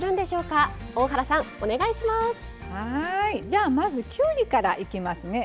じゃあまずきゅうりからいきますね。